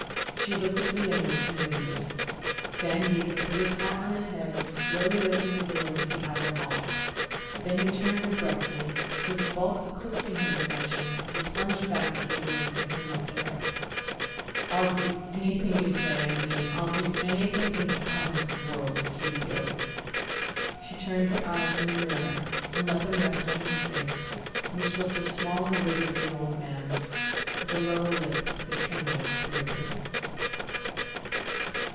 She looked at the image and waited. Van Degen put his hat on his head and slowly opened the door into the outer hall. Then he turned abruptly, his bulk eclipsing her reflection as he plunged back into the room and came up to her. "I'll do anything you say. Undine; I'll do anything in God's world to keep you!" She turned her eyes from the mirror and let them rest on his face, which looked as small and withered as an old man's, with a lower lip that trembled queerly....